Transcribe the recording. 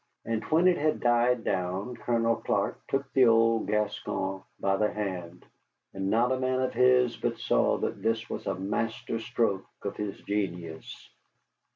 And when it had died down Colonel Clark took the old Gascon by the hand, and not a man of his but saw that this was a master stroke of his genius.